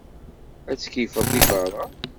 Ad keyfeɣ di berra.